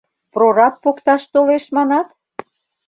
— Прораб покташ толеш, манат?